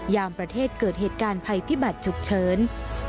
ยามประเทศเกิดเหตุการณ์ภัยพิบัติฉุกเฉิน